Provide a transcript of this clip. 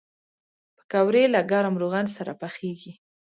پکورې له ګرم روغن سره پخېږي